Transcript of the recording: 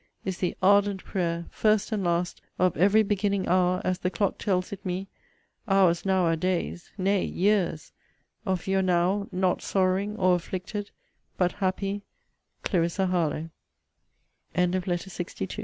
is the ardent prayer, first and last, of every beginning hour, as the clock tells it me, (hours now are days, nay, years,) of Your now not sorrowing or afflicted, but happy, CLARISSA HARLOWE. LETTER LXIII MR. LOVELACE, TO JOHN BELFORD, ESQ.